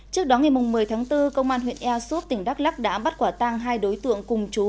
trước đó ngày một mươi tháng bốn công an huyện ea suốt tỉnh đắk lắc đã bắt quả tang hai đối tượng cùng chú